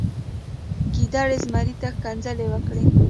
ګیدړې زمري ته ښکنځلې وکړې.